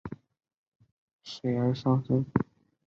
夏天瀑布的流量会因上游冰川融雪所带来的水而上升。